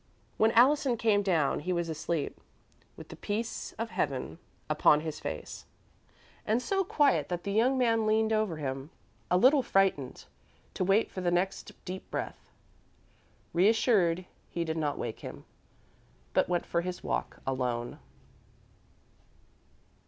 When Allison came down, he was asleep, with the peace of Heaven upon his face, and so quiet that the young man leaned over him, a little frightened, to wait for the next deep breath. Reassured, he did not wake him, but went for his walk alone.